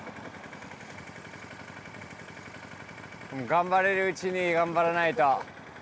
頑張れるうちに頑張らないと。